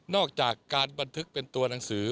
อกจากการบันทึกเป็นตัวหนังสือ